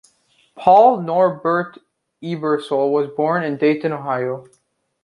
Paul Norbert Ebersol was born in Dayton, Ohio.